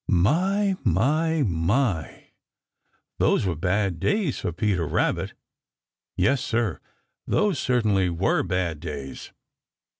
My, my, my, those were bad days for Peter Rabbit! Yes, Sir, those certainly were bad days!